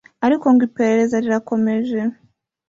ariko ko ngo iperereza rikomeje